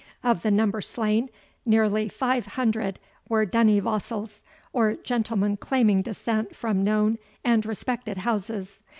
Of the number slain, nearly five hundred were dunniwassels, or gentlemen claiming descent from known and respected houses.